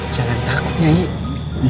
jangan takut nyai